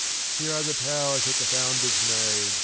Here are the towers that the founders made!